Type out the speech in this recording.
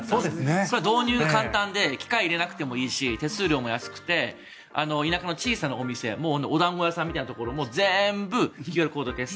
これは導入が簡単で機械を入れなくてもいいし手数料もなくて小さなお店おだんご屋さんみたいなところも全部ＱＲコード決済。